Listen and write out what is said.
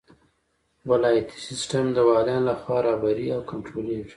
ولایتي سیسټم د والیانو لخوا رهبري او کنټرولیږي.